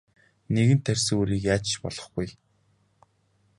Нэгэнт тарьсан үрийг яаж ч болохгүй.